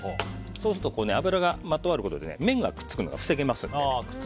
そうすると油がまとわることで麺がくっつくのが防げます。